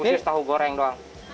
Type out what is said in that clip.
khusus tahu goreng doang